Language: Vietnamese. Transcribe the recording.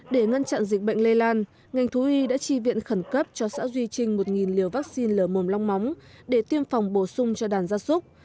để ngăn chặn dịch bệnh lây lan ngành thú y đã chi viện khẩn cấp cho xã duy trinh một liều vaccine lở mồm long móng để tiêm phòng bổ sung cho đàn gia súc